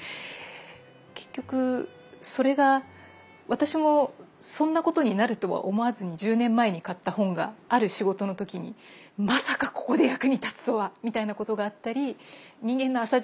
結局それが私もそんなことになるとは思わずに１０年前に買った本がある仕事の時にまさかここで役に立つとは！